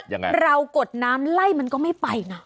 แม้ว่าเรากดน้ำไล่มันก็ไม่ไปน่ะ